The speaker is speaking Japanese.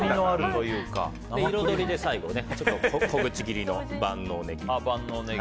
彩りで最後小口切りの万能ネギを。